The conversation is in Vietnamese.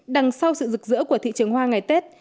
đằng sau sự rực rỡ của thị trường hoa ngày tết